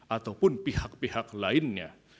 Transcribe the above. ataupun pihak pihak lainnya